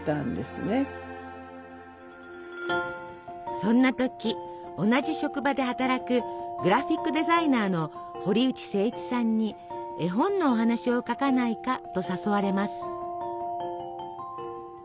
そんな時同じ職場で働くグラフィックデザイナーの堀内誠一さんに絵本のお話を書かないかと誘われます。